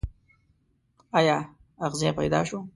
ایا اغزی پیدا شو.